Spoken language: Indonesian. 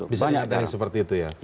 bisa seperti itu